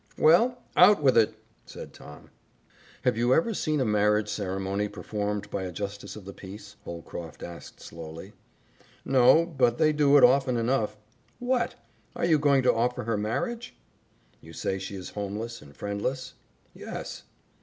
"Well, out with it!" said Tom. "Have you ever seen a marriage ceremony performed by a justice of the peace?" Holcroft asked slowly. "No, but they do it often enough. What! Are you going to offer her marriage?" "You say she is homeless and friendless?' "Yes."